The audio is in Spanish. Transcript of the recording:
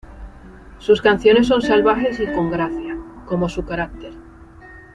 Sus canciones son salvajes y con gracia, como su carácter.